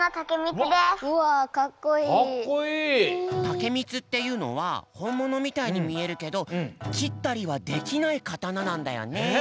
竹光っていうのはほんものみたいにみえるけどきったりはできない刀なんだよね。